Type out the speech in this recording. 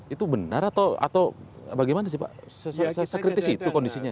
itu benar atau bagaimana sih pak sekritis itu kondisinya